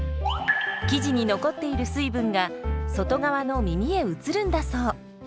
生地に残っている水分が外側のみみへ移るんだそう。